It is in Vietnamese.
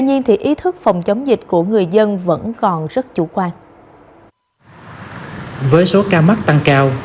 tuy nhiên thì ý thức phòng chống dịch của người dân vẫn còn rất chủ quan với số ca mắc tăng cao